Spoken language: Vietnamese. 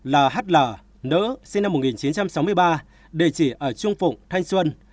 bốn lhl nữ sinh năm một nghìn chín trăm sáu mươi ba địa chỉ ở trung phụng thanh xuân